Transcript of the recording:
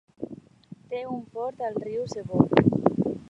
Té un port al riu Sebou.